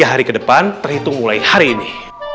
tiga hari kedepan terhitung mulai hari ini